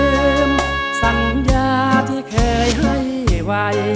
เคยลืมทรัพยาทีเคยเหลืม